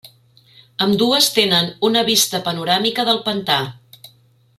Ambdues tenen una vista panoràmica del pantà.